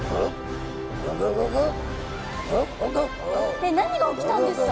えっ何が起きたんですか？